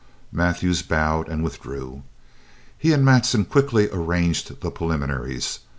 Mathews bowed and withdrew. He and Matson quickly arranged the preliminaries.